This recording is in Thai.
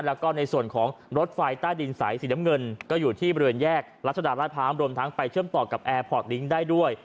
แล้วก็ในส่วนของรถไฟใต้ดินสายสีดำเงินก็อยู่ที่บริเวณแยกรัฐธรรมดรรวมทั้งไปเชื่อมต่อกับได้ด้วย